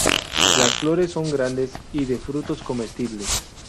Las flores son grandes, y de frutos comestibles.